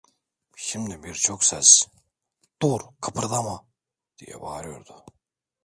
Şimdi birçok ses: - Dur kıpırdama! diye bağırıyordu.